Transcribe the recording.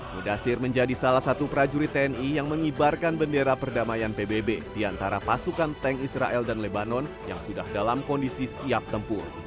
mudasir menjadi salah satu prajurit tni yang mengibarkan bendera perdamaian pbb di antara pasukan tank israel dan lebanon yang sudah dalam kondisi siap tempur